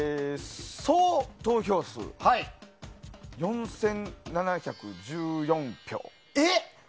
総投票数、４７１４票。え？